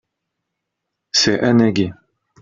c'est Annaig.